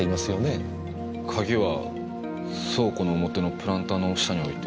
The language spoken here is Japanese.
鍵は倉庫の表のプランターの下に置いて。